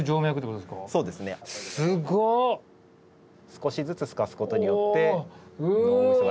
少しずつ透かすことによって脳みそが。